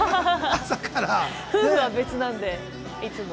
夫婦は別なので、いつも。